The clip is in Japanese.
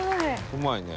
うまいね。